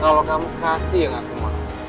kalau kamu kasih yang aku mau